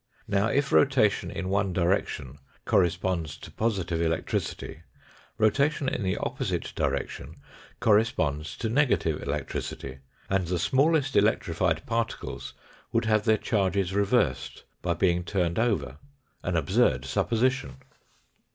Now, if rotation in one direction corresponds to positive electricity, rotation in the opposite direction cor responds to negative electricity, and the smallest electrified particles would have their charges reversed by being turned over an absurd supposition.